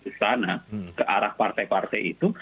ke sana ke arah partai partai itu